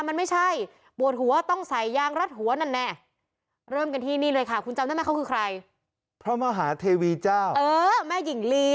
ปวดหัวแล้วกินยามันไม่ใช่